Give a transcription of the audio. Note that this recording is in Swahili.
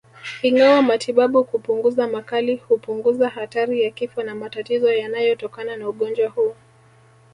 Ingawa matibabu kupunguza makali hupunguza hatari ya kifo na matatizo yanayotokana na ugonjwa huu